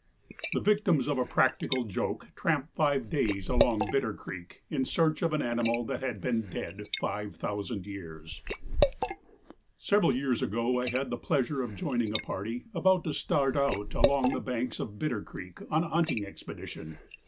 THE VICTIMS OF A PRACTICAL JOKE TRAMP FIVE DAYS ALONG BITTER CREEK IN SEARCH OF AN ANIMAL THAT HAD BEEN DEAD 5,000 YEARS. BILL NYE. Several years ago I had the pleasure of joining a party about to start out along the banks of Bitter creek on a hunting expedition.